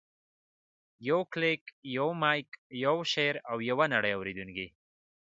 یو کلیک، یو مایک، یو شعر، او یوه نړۍ اورېدونکي.